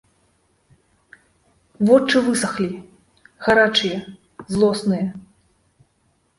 Вочы высахлі, гарачыя, злосныя.